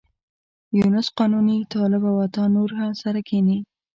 یونس قانوني، طالب او عطا نور سره کېني.